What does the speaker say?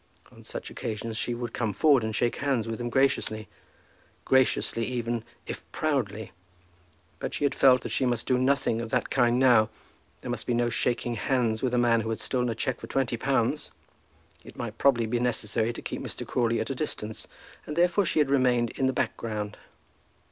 On such occasions she would come forward and shake hands with them graciously, graciously even, if proudly; but she had felt that she must do nothing of that kind now; there must be no shaking hands with a man who had stolen a cheque for twenty pounds! It might probably be necessary to keep Mr. Crawley at a distance, and therefore she had remained in the background.